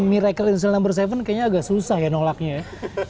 miracle in cell no tujuh kayaknya agak susah ya nolaknya ya